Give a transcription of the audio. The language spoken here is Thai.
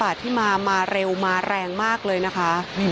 แล้วน้ำซัดมาอีกละรอกนึงนะฮะจนในจุดหลังคาที่เขาไปเกาะอยู่เนี่ย